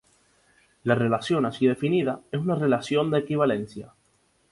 La relación así definida es una relación de equivalencia.